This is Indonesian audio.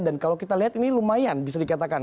dan kalau kita lihat ini lumayan bisa dikatakan